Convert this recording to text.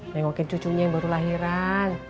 nengokin cucunya yang baru lahiran